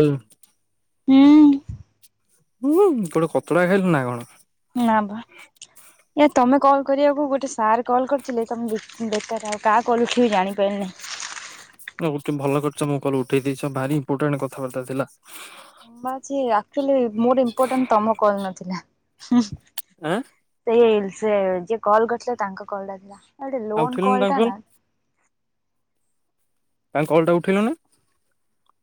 ହୁଁ। ହୁଁ। ହୁଁ, ଗୋଟେ କଚଡା ଖାଇଲୁ, ନା କଣ? ନା ବା, ତମେ କଲ୍ କରିବାକୁ ଗୋଟେ ସାର୍ କଲ୍ କରିଥିଲେ। ତମେ ବି ବେକାର, ଆଉ କା କଲ୍ ଉଠେଇବି ଜାଣି ପାଇଲିନି? ଚମୋ କଲ୍ ଉଠେଇ ଦେଇଛ, ଭାରି ଇମ୍ପୋଟାଣ୍ଟ କଥାବାର୍ତ୍ତା ଥିଲା? ମୁଁ ଭାଛି ଆକ୍ଚୁଆଲି, ମୋର ଇମ୍ପୋଟାଣ୍ଟ ତମ କଲ୍ ନଥିଲା। ଆଁ ସେଲ୍ ସେ ଯିଏ କଲ୍ କରିଥିଲେ, ତାଙ୍କ କଲ୍ ଟା ଥିଲା। ଆଉଟେ ଆଉ ଲୋନ ଉଠେଇଲୁନି କଲ୍ ତାଙ୍କ ଟା ନା! ତାଙ୍କ କଲ୍ ଟା ଉଠେଇଲୁନି।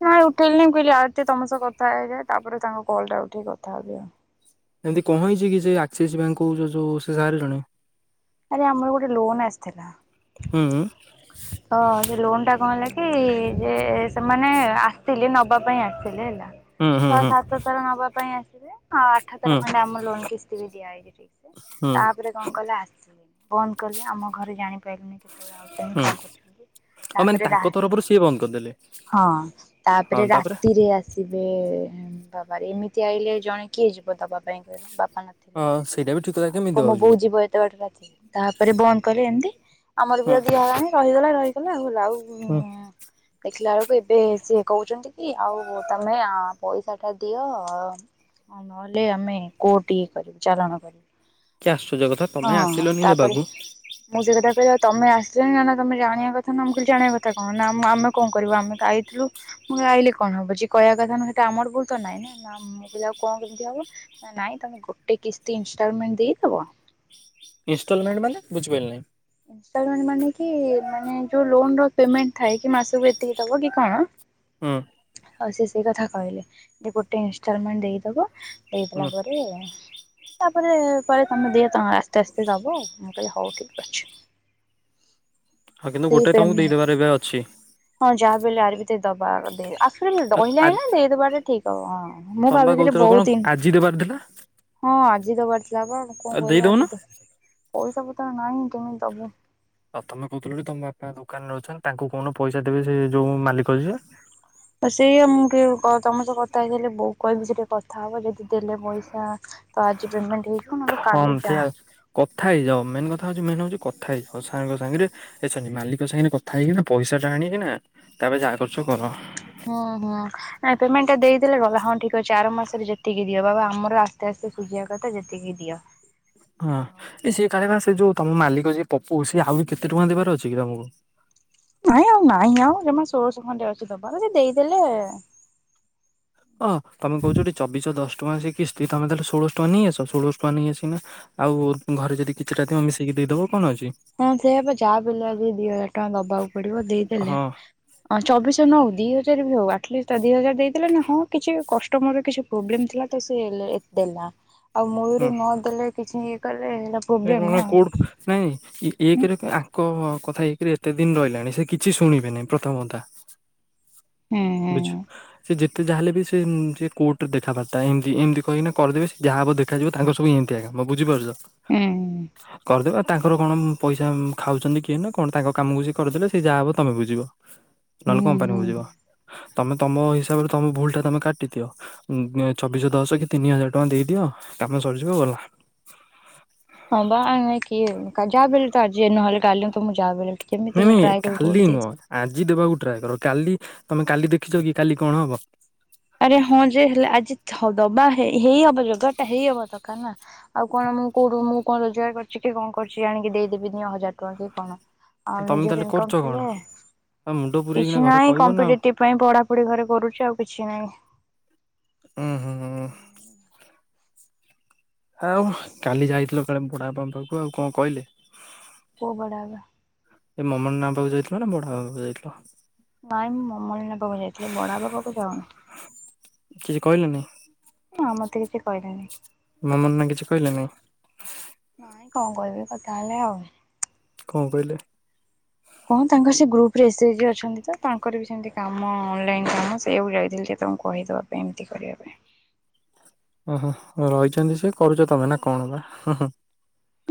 ନାଇଁ ଉଠେଇଲିନି, ମୁଁ କହିଲି ଆଉତି ତମ ସହ କଥା ହେଇଯାଏ, ତା'ପରେ ତାଙ୍କ କଲ୍ ଟା ଉଠେଇ କଥା ହେବି ଆଉ। ଏମିତି କଣ ହେଇଛି କି! ସେ ଆକ୍ସିସ୍ ବ୍ୟାଙ୍କ୍ କହୁଛ, ଯୋଉ ସେ ସାର୍ ଜଣେ? ଥିଲା। ହୁଁ। ତ ସେ ଲୋନ୍ ଟା କଣ ହେଲା କି! ଯେ ସେମାନେ ଆସିଥିଲେ ନବା ପାଇଁ ଆସିଥିଲେ ହେଲା ହୁଁ ହୁଁ ଛଅ, ହୁଁ ସାତ ଥର ନବା ପାଇଁ ଆସିବେ। ହଁ, ଆଠ ଥର ଖଣ୍ଡେ ଆମ ଲୋନ କିସ୍ତି ବି ଦିଆହେଇଛି ଠିକ୍ ସେ। ହୁଁ ତା'ପରେ କଣ କଲେ ଆସିଲେନି। ବନ୍ଦ କଲେ, ଆମ ଘରେ ଜାଣିପାଇଲୁନି, କେତେବେଳେ ଆଉଛନ୍ତି, ହୁଁ କଣ କରୁଛନ୍ତି? ଆଉ ମାନେ ତା'ପରେ ରା ତାଙ୍କ ତରଫରୁ ସିଏ ବନ୍ଦ କରିଦେଲେ ହଁ, ତା'ପରେ ରାତିରେ ଆସିବେ-ଏ ବାବାରେ! ଏମିତି ଆଇଲେ ଜଣେ କିଏ ଯିବ ଦବା ପାଇଁ କହିଲେ! ବାପା ହଁ ନଥିଲେ? ସେଇଟା ବି ଠିକ କଥା ଆଉ କେମିତି କଣ ମୋ ଦେବାକୁ ବୋଉ ଯିବ ଏତେ ବାଟ ରାତିରେ? ତା'ପରେ ବନ୍ଦ କଲି ଏମତି, ଆମର ବି ହଁ ଆଉ ଦିଆ ହେଲାନି। ରହିଗଲାଉ, ଲାଉ-ଉ ହୁଁ ଦେଖିଲା ବେଳକୁ ଏବେ ସିଏ କହୁଛନ୍ତି କି, ଆଉ ତମେ ଆ ପଇସା ଟା ଦିଅ ଆଉ, ନହେଲେ ଆମେ କୋଟ ଇଏ କରିବୁ, ଚାଲାଣ କରିବୁ। କି ଆଶ୍ଚର୍ଯ୍ୟ କଥା ତମେ ହଁ, ଆସିଲନି ତା'ପରେ ନେବାକୁ ମୁଁ ସେ କଥା କହିଲା, ତମେ ଆସିଲଣି ନା ନା ତମେ ଜାଣିବା କଥା ନା। ମୁଁ କହିଲି ଜାଣିବା କଥା କଣ? ନା ଆମେ କଣ କରିବୁ? ଆମେ ଆଇଥିଲୁ, ମୁଁ ଆଇଲେ କଣ ହବ! ଯେ କ କହିବା କଥା ନୁହେଁ, ହେଟା ଆମର ଭୂଲ୍ ତ ନାଇଁ ନା, ଆଉ କଣ କେମିତିଆ ହବ, ନା ନାଇଁ ତମେ ଗୋଟେ କିସ୍ତି ଇନସ୍ ଟଲମେଣ୍ଟ ଦେଇଦବ? ଇନଷ୍ଟଲମେଣ୍ଟ ମାନେ, ବୁଝିପାଇଲିନି? ଇନଷ୍ଟଲମେଣ୍ଟ ମାନେ, କି ମାନେ ଯୋଉ ଲୋନର ପେମେଣ୍ଟ ଥାଏ, ମାସକୁ ଏତିକି ଦେବକି କଣ? ହୁଁ। ଆଉ ସେ ସେଇ କଥା କହିଲେ, ଯେ ଗୋଟେ ଇନଷ୍ଟଲମେଣ୍ଟ ଦେଇଦବ, ଦେଇଦେଲା ହୁଁ ପରେ ଏଁ ତା'ପରେ ପରେ କହିଲେ, ତମେ ଦିଅ, ତମେ ଆସ୍ତେ ଆସ୍ତେ ଦବ ଆଉ। ମୁଁ କହିଲି ହଉ ଠିକ୍ ଅଛି। ଅଛି। ହଁ, କିନ୍ତୁ ସେଇ ଗୋଟେ ତମକୁ ପେମେଣ୍ଟ ଦେଇଦବାର ଏବେ ଅଛି। ହଁ, ଯାହାବି ହେଲେ ଆରି ଭିତରେ ଦବା ଆଗ ଆ [unintelligible] ଦେଇଦବାଟା ଠିକ୍ ହବ। ହଁ। ମୁଁ ତମେ ବା ଭାବିଥିଲି କହୁଥିଲ କଣ ବହୁତ ଦିନ। ଆଜି ଦେବାର ଥିଲା ହଁ, ଆଜ୍ ଆଜି ଦବାରଥିଲା ବା ଆଉ କଣ କରିବା ଆଜି ତ ପଇସା ପତ୍ର ନାହିଁ, କେମିତି ଦବୁ? ପ୍ରଥମେ କହୁଥିଲ ଯେ ତମ ବାପା ଦୋକାନରେ ଅଛନ୍ତି, ତାଙ୍କୁ କହୁନ ପଇସା ଦେବେ ସେ ଯୋଉ ମାଲିକ ଯିଏ? ତ ସେ ମୁବି କ ତୁମ ସହ କଥା ହେଇଥିଲି ବୋଉକୁ କହିବି ସେ ଟିକେ କଥା ହବ ଯେ ସେ ଦେଲେ ପଇସା ତ ଆଜି ପେମେଣ୍ଟ ହେଇଯିବ ନହେଲେ ହଁ କାଲି ଯା ମେନେ ହୋଉଛି କ କଥା ହେଇକି ସାର୍ ଙ୍କ ସାଙ୍ଗରେ ଏ ସରି ମାଲିକ ସାଙ୍ଗରେ କଥା ହେଇକି ପଇସା ଟା ଆଣିକିନା ତାପରେ ଯାହା କରୁଛ କର। ଓହୋ ନାଇଁ ପେମେଣ୍ଟ ଟା ଦେଇଦେଲେ ଗଲା ହଁ ଠିକ ଅଛି ଆର ମାସ ଯେତିକି ଦିଅ ବାବା ଆମର ଆସ୍ତେ ଆସ୍ତେ ସୁୁଝିବା କଥା ଯେତିକି ଦିଅ। ହଁ ସେ କାଳେ ପା ଯୋଉ ତମ ମାଲିକ ଯ ପପୁ ସିଏ ଆଉ କେତେ ଟଙ୍କା ଦବାର ଅଛି କି ତମକୁ? ନାଇଁ ଆଉ ନାଇଁ ଆଉ ଜମା ସୋଲସହ ଖଣ୍ଡେ ଅଛି ତାପାଖରେ ଦେଇଦେଲେ ଅ ତମେ କହୁଛ ଟି ଚବିଶହ ଦଶ ଟଙ୍କା କିସ୍ତି ତାହେଲେ ଷୋଳଶ ଟଙ୍କା ନେଇଆସ ଷୋଳଶହ ଟଙ୍କା ନେଇସିକିନା ଆଉ ଘରେ ଯଦି କିଛିଥିବ ଟା ଥିବ ମିଶିକି ଦେଇଦେବ। ହଁ ସେୟା ପା ଯାହା ବିଲ ଆଜି ଦି ହଜାର ଟଙ୍କା ଦବାକୁ ପଡ଼ିବ ଦେଇଦେଲେ ହଁ ଅଁ ଚବିଶ ନଉନି? ଦିହଜାର ବି ହଉ ଆଟଲିଷ୍ଟ ଦିଇ ହଜାର ଦେଇଦେଲାନା ହଁ କିଛି କଷ୍ଟମରର କିଛି ପ୍ରୋବ୍ଲେମ୍ ଥିଲା ତ ସେ ଏତେ ଦେଲା ଆଉ ମୂଳରୁ ନ ଦେଲେ କିଛି ଇ ସେ କଣ କୋଉଠ ନାଇଁ ହୁଁ ଏକଇରେ ଆଙ୍କ କଥା ଏକରେ ଏତେ ଦିନ ରହିଲାଣି ସେ କିଛି ଶୁଣିବେନି ପ୍ରଥମ କଥା। ହୁଁ ବୁଝ ସେ ଯେତେ ତ ଯାହା ହେଲେ ବି ସେ ସେ କୋର୍ଟରେ ଦେଖାବାର୍ତ୍ତା ଏମିତି ଏମିତି କହିକି ନା କରିଦେବେ ସେ ଯାହା ହେବ ଦେଖାଯିବ ତାଙ୍କ ସବୁ ଏମିତିଆ କାମ୍। ମଁ ବୁଝିପାରୁଛି। ହୁଁ କରିଦେବା। ତାଙ୍କର କଣ ପଇସା ଖାଉଛନ୍ତି କିଏ ନା କଣ ତାଙ୍କ କାମକୁ ସେ କରିଦେଲେ ସେ ଯାହା ହବ ତମେ ବୁଝିବ। ନ ହେଲେ ହୁଁ କମ୍ପାନୀ ହୁଁ। ବୁଝିବ। ତମେ ତମ ହିସାବରେ ତମ ଭୁଲ ଟା ତମେ କାଟିଦିଅ ଚବିଶ ଦଶ କି ତିନି ହଜାର ଟଙ୍କା ଦେଇଦିଅ। କାମ ସରିଯିବ ଗଲା। ହଁ ବା ଇ କିଏ ଯା ବେ ତ ଆଜି ନହେଲେ କାଲି ତ ମୁଁ ଯାହା ବେଳେ ନାଇଁ ନାଇଁ କାଲି ନୁହଁ ଆଜି ଦେବାକୁ ଟ୍ରାଏ କର କାଲି ତମେ କାଲି ଦେଖିଛ କି କାଲି କଣ ହବ? ଆରେ ହଁ ଯେ ହେଲେ ଆଜି ଥ ଦବା। ହେଇ ହବ ଯୋଜଗାର ଟା ହେଇ ହବ ଦରକାର ନା ଆଉ କଣ ମୁଁ କୋଉଠୁ ମୁଁ କଣ ରୋଜଗାର କରିଛି କି କଣ କରୁଛି ଆଣିକି ଆଣିକି ଦେଇଦେବି ତିନି ହଜାର ଟଙ୍କା ସେ କଣ ଆ ତମେ ତାହେଲେ ନିଜର କରୁଛ ଇନକମ୍ କଣ ଥିଲେ। ଆଉ ମୁଣ୍ଡ ପୁରେଇକିନା କିଛି ଘରେ ନାହିଁ କହିବ ନା ଆଉ। କମ୍ପିଟେଟିଭ ପାଇଁ ପଢ଼ାପଢ଼ି ଘରେ କରୁଛି ଆଉ କିଛି ନାହିଁ। ଉଁ ହୁଁ ହୁଁ। ଆଉ କାଲି ଯାଇଥିଲ କାଳେ ବୁଢ଼ାବାପା ପାଖକୁ ଆଉ କଣ କହିଲେ? କୋଉଁ ବଡବାବା? ଏ ମମନ ନା ପାଖକୁ ଯାଇଥିଲ ନା ବଡ଼ ବାବା ପାଖକୁ ଯାଇଥିଲ? ନାଇଁ ମୁଁ ମମନ ପାଖକୁ ଯାଇଥିଲି ବଡ଼ପା ପାଖକୁ ଯାଉନି। କିଛି କହିଲେନି। ନା ଆ ମତେ କିଛି କହିଲେନି। ମମନା କିଛି କହିଲେ ନି? ନାଇଁ କଣ କହିବେ କଥା ହେଲେ ଆଉ। କଣ କହିଲେ? କଣ ତାଙ୍କର ସେ ଗ୍ରୁପ ରେ ଏସ ଏଚ୍ ଜି ଅଛନ୍ତି ତ ତାଙ୍କର ବି ସେମିତି କାମ ଅନଲାଇନ କାମ ସେଇଆକୁ ଯାଇଥିଲେ। ତାଙ୍କୁ କହିଦବା ପାଇଁ ଏମିତି କରିବା ପାଇଁ। ଓହୋ ରହିଛନ୍ତି ସେ କରୁଛ ତମେ ନା କଣ ବା ହୁଁ ହୁଁ।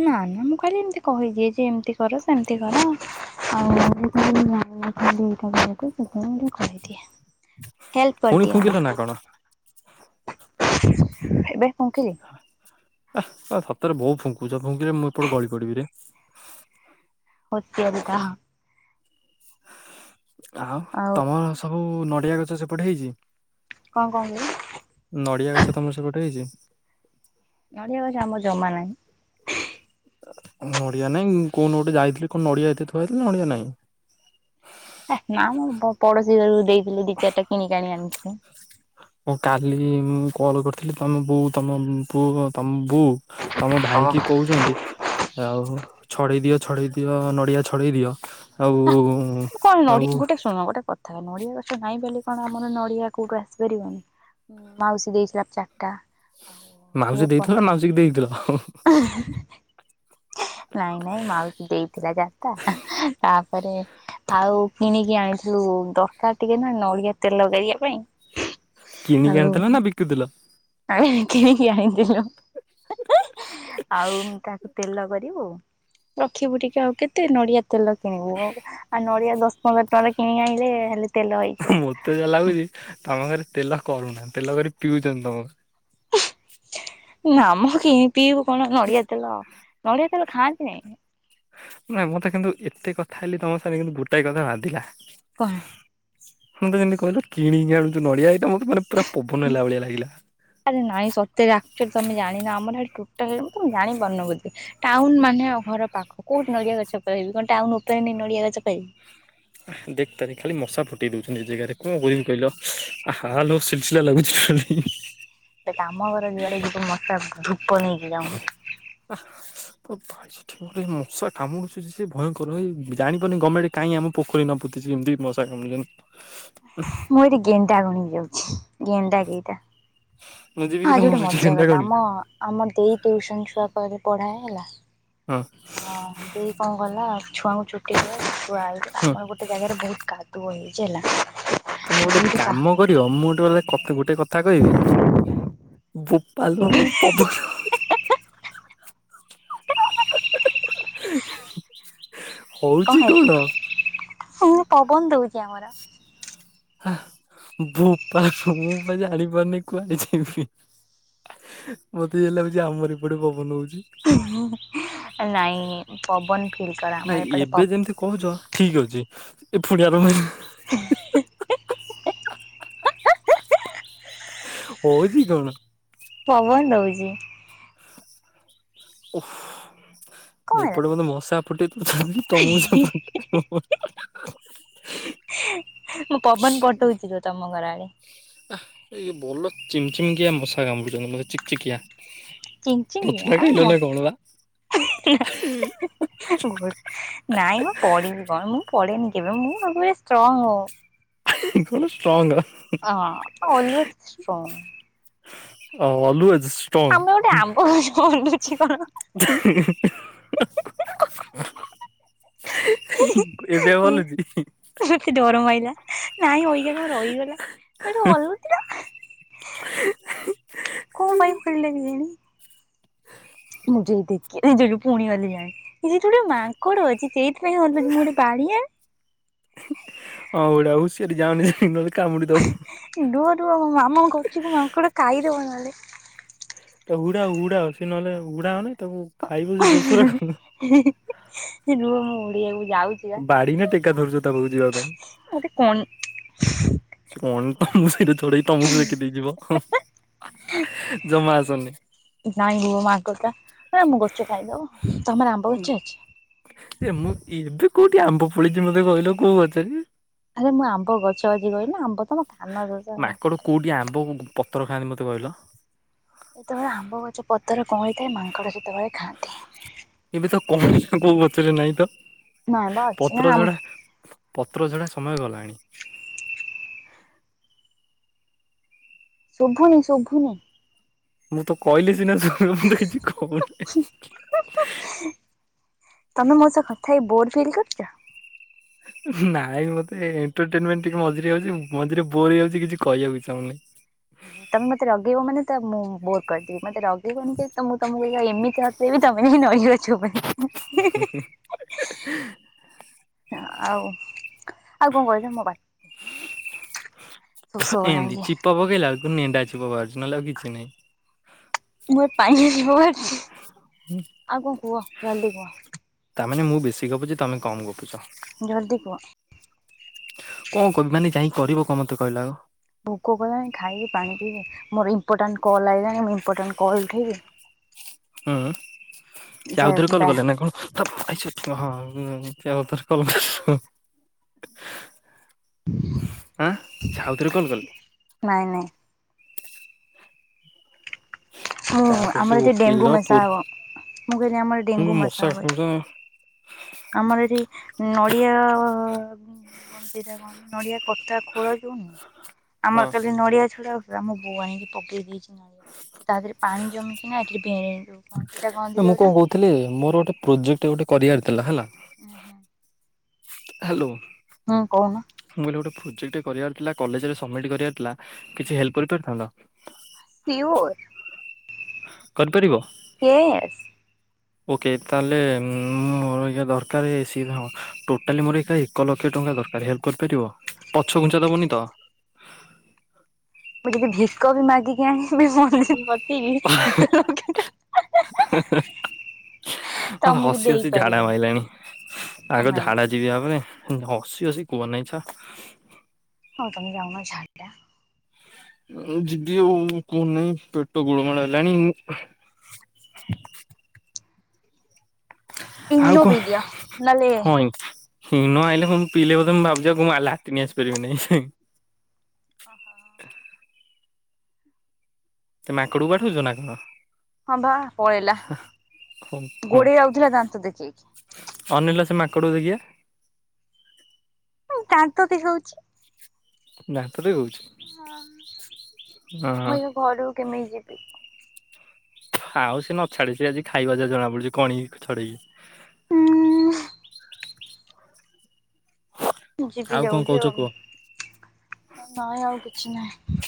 ନା ନା ମୁଁ ଖାଲି ଏମିତି କହିଦେଏଯେ ଏମିତି କର ସେମିତି କର। ଆଉ ଏତିକି ଜାଣେ ଖାଲି ଇଟା ଟିକେ ସେ ଟା ଟିକେ କରିଦିଏ। ହେଲ୍ପ ଫୁଣି କରିଦିଏ ଫୁଙ୍କିଲ ନା ତାକୁ। କଣ ଏବେ କଣଙ୍କି ଆ ସତରେ ବୋଉ ଫୁଙ୍କୁଛ ଫୁଙ୍କିଲେ ମୁଁ ଏପଟେ ଗଳି ପଡ଼ିବିରେ। ଅତ୍ୟଧିକା ହଁ। ଆଉ ତମର ସବୁ ନଡ଼ିଆ ଗଛ ସେପଟେ ହେଇଛି? କଣ କହୁଥିଲି? ନଡ଼ିଆ ଗଛ ତମର ସେପଟେ ହେଇଛି? ନଡ଼ିଆ ଗଛ ଆମର ଜମା ନାହିଁ। ନଡିଆ ନାଇଁ କୋଉ ଗୋଟେ ଯାଇଥିଲି କଣ ନଡିଆ ଏତେ ଥଆଇଥିଲ ନଡିଆ ନାଇଁ। ନା ମୁଁ ପଡୋଶୀ ଘର ଦେଇଥିଲି ଦି ଚାରିଟା କିଣିକାଣି ଆଣିଥିଲୁ। ହଁ କାଲି ମୁଁ କଲ କରିଥିଲି ତମ ବୋଉ ତମ ପୁଅ ତମ ବୁ ତମ ଭାଇ କି କହୁଛନ୍ତି ଆଉ ଛଡେଇ ଦିଅ ଛଡ଼େଇ ଦିଅ ନଡ଼ିଆ ଛଡ଼େଇ ଦିଅ ହା ଆଉ କଣ ଆଉ ଗୋଟା ଶୁଣ ଗୋଟେ କଥା। ନଡିଆ ଗଛ ନାହିଁ ବୋଲି କଣ ଆମର ନଡିଆ କୋଉଠୁ ଆସିପାରିବନି ମାଉସୀ ଦେଇଥିଲା ଚା ମାଉସୀ ଦେଇଥିଲା ନା ମାଉସୀ କି ଦେଇଥିଲ। ହ ନାଇଁ ନାଇଁ ମାଉସୀ ଦେଇଥିଲା ଚାରିଟା ତାପରେ ଆଉ କିଣିକି ଆଣିଥିଲୁ ଦରକାର ଟିକେ ନା ନଡିଆ ତେଲ କରିବା ପାଇଁ। କିଣିକି ଆଉ ଆଣିଥିଲ ନା ବିକୁଥିଲ ଆମେ କିଣିକି ଆଣିଥିଲୁ। ଆଉ ମୁଁ ତାକୁ ତେଲ କରିବୁ ରଖିବୁ ଟିକେ ଆଉ କେତେ ନଡିଆ ତେଲ କିଣିବୁ ଆଉ। ଆଉ ନଡିଆ ଦଶ ପନ୍ଦର ଟଙ୍କାରେ କିଣି ଆଣିଲେ ହେଲେ ତେଲ ହେଇଯିବ ମତେ ଯାହା ଲାଗୁଛି ତମ ଘରେ ତେଲ କରୁନା ତେଲ କରି ପିଉଛନ୍ତି ତମ ଘରେ। ନାମ କିଣି ପିଇବୁ କଣ ନଡିଆ ତେଲ ନଡିଆ ସେରା ଖାଆନ୍ତି ନାହିଁ। ନାଇଁ ମତେ କିନ୍ତୁ ଏତେ କଥା ହେଲି ତମ ସାଙ୍ଗେ କିନ୍ତୁ ଗୋଟାଏ କଥା ବାନ୍ଧିଲା। କଣ ମତେ କେମିତି କହିଲ କିଣିକି ଆଣୁଛୁ ନଡିଆ ଏଇଟା ମାନେ ପୁରା ପବନ ହେଲା ଭଳିଆ ଲାଗିଲା। ଆରେ ନାଇଁ ସତେରେ ଆକଚୁଲି ତମେ ଜାଣି ନା ଆମର ହେଟି ଟା ମୁଁ ତେ ଜାଣିପାରୁନ ବ ଟାଉନ ମାନେ ଘର ପାଖ କୋଉଠି ନଡିଆ ଗଛ କହିବି? ଟାଉନ ଉପରେ ନେଇ ନଡ଼ିଆଗଛ କହିବି। ଦେଖ ତାରି ଖାଲି ମଶା ଫୁଟେଇ ଦଉଛନ୍ତି ଏ ଜାଗାରେ କଣ କରିବି କହିଲ ଆଲ ସିସିଲା ଲାଗୁଛି। ହ ଆମ ଘର ଯୁଆଡେ ମଶା ଧୂପ ନେଇକି ଯାଉ। ଅ ଭାଇ ସେଠି ମଶା କାମୁଡୁଛି ସେଏ ଭୟଙ୍କର ହଇ ଜାଣିପନି ଗର୍ଣ୍ମେଣ୍ଟ କାହିଁ ଆମ ପୋଖୀ ନ [unintelligible] ମଶା କାମୁଡୁ ଛନ୍ତି। ମୁଁ ଏଠି ଗେଣ୍ଡା ଗଣି ବିି ଯାଉଛି ଗେଣ୍ଡା କେଇଟା? ମୁଁ ଯିବି ହଁ କି ଆଜି ତମ ଗୋଟେ ସେଠି ମଜା କେନ୍ତା କଥା କରିବି ଆମ ଆମ ଦେଇ ଟୁଇସନ ଛୁଆ ପଢାଏ ହେଲା। ହଁ ତ ଦେଇ କଣ କଲା ଛୁଆଙ୍କୁ ଛୁଟିକଲା ଛୁଆଇ ହଁ ଆମର ଗୋଟେ ଜାଗାରେ ବହୁତ କାଦୁଅ ହେଇଛି ହେଲା। ତମେ ଗୋଟେ ବହୁତ କା କାମ କରିବ ମୁଁ ଗୋଟେ କ ତତେ ଗୋଟେ କଥା କହିବି ବୋପାଲ ପବନ। [inaudible] ହଉଛି କଣ? ପବନ ଦଉଚି ଆମର। ବୋପାଳ ମୁଁ ଜାଣିପାରୁନି କୁଆଡେ ଯିବି? ମତେ ଯେମିତି ଲାଗୁଛି ଆମର ଏପଟେ ପବନ ହଉଚି। ନାଇଁ ପବନ ଫିଲ୍ କର ମର ଏପଟେ ଠିକ୍ ଅଛି ଏ ଫୁଡିଆ ପାଗ ହ ହଉଛି କଣ? ପବନ ଦଉଚି। ଓହ କଣ ହେଲା ଏପଟେ ମତେ ମଶା ଫୁଟେଇ ତମକୁ ସେପଟେ ମୁଁ ପବନ ପଠଉଛି ରୁହ ତମ ଘର ଆଡେ। ଆଇଏ ଭଲ ଚି ଚିମିକିଆ ମଶା କାମୁଡିୁଛନ୍ତି ମତେ ଚିକ ଚିକିଆ। ଚ଼େଙ୍ଗ୍ ପତଳା ଚ଼େଙ୍ଗିଆ ଖାଇଲ ନା ମସ୍। କଣ ବା [unintelligible] ନାଇଁ ମ ପଡ଼ିବୁ କଣ ମୁଁ ପଡ଼େନି କେବେ ମୁଁ ସବୁବେଳେ ଷ୍ଟ୍ରଙ୍ଗ। [unintelligible] ଷ୍ଟ୍ରଙ୍ଗ। ଅଁ ଅଲୁୱେଜ୍ ଷ୍ଟ୍ରଙ୍ଗ୍। ଅ ଅଲୁଏଜ୍। ଷ୍ଟଙ୍ଗ୍। ଗୋଟେ ଆମ୍ବ ଗଛ ଓଲୁଛି କଣ [unintelligible] [unintelligible] ଏବେ ଆଉ ଏଇ ହଲୁଚ଼ି? ମତେ ଡର ମାଇଲା ନାଇଁ ଅବିକା କଁ ରହିଗଲା ସେଠୁ ଅଲୁତିଲା। କ ପାଇଁ ହଲିଲା କେଜାଣି? ଏଇ ଯାକେ ପୁଣି ଅଲିଲାଣି। ଏଇଠି ଗୋଟେ ମାଙ୍କଡ ଅଚ଼ି ଚେଇତପାଇଁ ହଲୁଚି ମୁଁ ଗୋଟେ ବାଡିଆ ଆଁ ଏଟା ହୁସିଆରି ଯାଅନି [unintelligible] ନଲେ। [unintelligible] ରୁଅ ରୁଅ ମୋ ମାମାଙ୍କ ଗଛକୁ ମାଙ୍କଡ ଖାଇଦବ ନଏଲେ। ତାଉ ଉଡା ଉଡା ସେ ନଲେ ଉଡା ଅନେ। ତାକୁ ଖାଇବୁ ସେ ଦୋଷରା କଣ? ରୁହ ମୁଁ ଉଡେଇବାକୁ ଯାଉଛି ବା ବାଡି ନା ଟେକା ଧରୁଚ଼ ତା ପାଖକୁ ଯିବା ଗୋଟେ କଣ ପାଇଁ? ସେ କନ ତମକୁ ସେଇଥିରେ ଥୋଡେଇ ତମକୁ ସେକି ଦେଇଯିବ। ଜମା ଆସନି। ନାଇଁ ମ ମାଙ୍କଡ଼ଟା ଆମ ଗଚ଼ ଖାଇଦବ। ତମର ଆମ୍ବ ଗଚ଼ ଅଚ଼ି? ଏ ମୁଁ ଏବେ କୋଉଟି ଆମ୍ବ ଫଳିଛି ମତେ କହିଲ କୋଉ ଗଛ ରେ? ଆରେ ମୁଁ ଆମ୍ବ ଗଛ ଅଛି କହିନି ଆମ୍ବ ତମ କାନ ଦୋଷ ଆଉ। ମାଙ୍କଡ କୋଉଟି ଆମ୍ବକୁ ପତର ଖାଆନ୍ତି ମତେ କହିଲ? ଯେତେବେଳେ ଆମ୍ବ ଗଛ ପତର କଅଁଳିଥାଏ ମାଙ୍କଡ ସେତେବେଳେ ଖାଆନ୍ତି। ଏବେ ତ କ [unintelligible] କୋଉ ଗଛରେ ନାଇଁ ତ। ନାଇଁ ବା ଅଛି ପତ୍ର ଆମ୍ ଝଡା ପତ୍ର ଝଡା ସମୟ ଗଲାଣି। ଶୁଭୁନି ଶୁଭୁନି। ମୁଁ ତ କହିଲେ ସିନା ସୁବି [unintelligible] ମୁଁ ତ କିଛି କୋହୁନି। ତମେ ମୋ ସଅ କଥା ହେଇ ବୋର ଫିଲ୍ କରଚ଼? ନାଇଁ ମତେ ଏଣ୍ଟରଟେନମେଣ୍ଟ ଟିକେ ମଝିରେ ହଉଚ଼ି ମଝିରେ ବୋର ହେଇଯାଉଚ଼ି କିଛି କହିଆକୁ ଇଚ୍ଛା ହଉନି। ତମେ ମତେ ରଗେଇବ ମାନେ ତ ମୁଁ ବୋର୍ କରଦେବି ମତେ ରଗେଇବନି ଯଦ୍ ତ ମୁଁ ତମକୁ ଏମିତିଆ ହସେଇବି ତମେ ଯାଇଁକି ନଡ଼ିଆ ଗଛ ଉପରେ [unintelligible] ହଁ। ଆଉ ଆଉ କଁ କହିଲେ ମୋ ବା ଶୋଷ ଥୁ ଗଲାଣି ଏମିତି ଟିକେ ଛିପ ପକେଇଲା ଏଳକୁୁ ନେଣ୍ଡା ଛେପ ବାହାରୁଚ଼ି ନହେଲେ ଆଉ କିଛି ନାଇଁ। ମୋ ପାଇଁ [unintelligible] ଆଉ କଁ କୁହ ଜଲଦି କୁହ? ତାମାନେ ମୁଁ ବେଶୀ ଗପୁଚ଼ି ତମେ କମ୍ ଗପୁଚ଼। ଜଲଦି କୁହ? କଁ କହିବି ମାନେ ଯାଇଁ କରିବ କଁ ମତେ କହିଲା ଆଗ? ଭୋକ କଲାଣି ଖାଇବି, ପାଣି ପିଇବି ମୋର ଇମ୍ପୋଟାଣ୍ଟ କଲ୍ ଆଇଲାଣି ମୁଁ ଇମ୍ପୋଟାଣ୍ଟ କଲ୍ ଉଠେଇବି। [inaudible] ଅଁ ସେ ଯେ ଆଉ ଥରେ କଲ ବା କଲେ ନା କଣ? [unintelligible] ହଁ କିଏ ଆଉ ଥରେ କଲ୍। [unintelligible] ଆଁ ସେ ଆଉଥରେ କଲ୍ କଲେ? ନାଇଁ ନାଇଁ। ମୁଁ ତାପରେ ସେ ଆମର ଏଠି ଓକିଲ ଡେଙ୍ଗୁ ପୋ ମଶା ହବ। ମୁଁ କଇଲି ଆମର ଡେଙ୍ଗୁ ମଶା ମସା ହବ ଏଠି। କାମୁଡିଲା ଆମର ଏଠି ନଡିଆ ଅବ୍ କଣ ସେଇଟା କହନ୍ତି ନଡିଆ କତା ଖୋଳ ଯୋଉନୁହଁ ଆମର କାଲି ନଡିଆ ଛଡା ଆଉ ପୁରା ମୋ ବୋଉ ଆଣିକି ପକେଇ ଦେଇଚି ନଡ଼ିଆ ସେ ତା ଦେହରେ ପାଣି ଜମିକିଣା ଏଠି ବେ ମୁଁ କଁ କହୁଥିଲି ମୋର ଗୋଟେ ପ୍ରୋଜେକ୍ଟ ଗୋଟେ କରିବାର ଥିଲା ହେଲା ହୁଁ ହୁଁ। ହ୍ୟାଲୋ। ହୁଁ କହୁନ? ମୁଁ କହିଲି ଗୋଟେ ପ୍ରୋଜେକ୍ଟ କରିବାର ଥିଲା କଲେଜରେ ସବମିଟ୍ କରିବାର ଥିଲା କିଛି ହେଲ୍ପ କରିପାରିଥାନ୍ତ? ସିଓର କରିପାରିବ ୟେସ। ଓକେ ତାହେଲେ ମୋର ଏଇଖା ଦରକାର ସ ହଁ ଟୋଟାଲି ମୋର ଏକ ଲକ୍ଷ ଙ୍କା ଦରକାରେ ହେଲ୍ପ କରିପାରିବ? ପଛ ଖୁଞ୍ଚା ଦେବନି ତ? ମୁଁ ଯଦି ଭିକ ବି ମାଗିକି ଆଣିବି [unintelligible] କି କହିବ ଗେଣ୍ଡୁ [unintelligible] ମତ ହସି ହସି ଝାଡା ମାଇଲାଣି ଓ ଆଗ ମାଇଁ ଝାଡା ଯିବି ୟା ପରେ ହସି ହସି କୁହନେଇ ଛା ହଉ ତମେ ଯାଉନ ଝାଡ଼ା। ଅ ଯିବି ଆଉ କୁହନାଇ ପେଟ ଗୋଳମାଳ ହେଲାଣି ମୁଁ ଆଉ ଇନୋ କଣ ପି ଦିଅ ନହେଲେ ହଁଈ? ହଁ ନ ଆଇଲେ ମୁ ପିଲେ ବଧେ ମୁ ଭାବୁଚି ମୁଁ ଆଉ ଲାଟିନ୍ ଆସି ପାରିବି ନାଇଁ ହୁ। ଓହୋ ହ। ତମେ ମାଙ୍କଡକୁ ବାଡୋଉଛ ନା କଣ? ହଁ ବା ପଳେଇଲା ହଁ ହଁ ଗୋଡେଇ ଆଉଥିଲା ଦାନ୍ତ ଦେଖେଇକି ଙ୍କଡକୁ ଦେଖିଆ ମୁଁ କାନ୍ତ ବି ହଉଛି ଦାନ୍ତ ଦେଖୋଉଚି? ହ ହଁ ମୁଁ ଏ ଘରୁକୁ କେମିତି ଯିବି? ଆଉ ସେ ନ ଛାଡେ ସେ ଆଜି ଖାଇବ ଯାହା ଜଣା ପଡୁଛି କଣିକି ଛଡେଇକି। ହୁଁ। ଯିବି ଆଉ କଣ ଯାଉଛି କହୁଛ ଆଉ କୁହ? ନାଇଁ ଆଉ କିଛି ନାହିଁ।